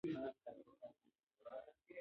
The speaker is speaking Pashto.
چاره یې ولټوي.